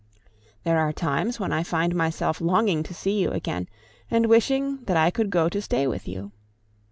There are times when I find myself longing to see you again, and wishing that I could go to stay with you.